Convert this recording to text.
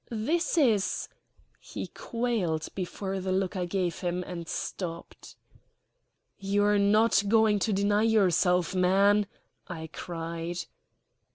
"This is " He quailed before the look I gave him and stopped. "You are not going to deny yourself, man?" I cried.